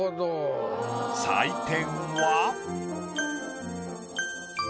採点は。